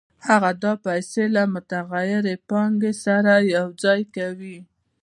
هغه دا پیسې له متغیرې پانګې سره یوځای کوي